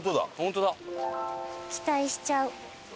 期待しちゃう。